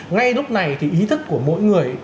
ngay lúc này thì ý thức của mỗi người